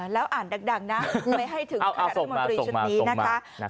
แล้วอ่านดังนะไม่ให้ถึงขนาดรัฐมนตรีชุดนี้นะคะ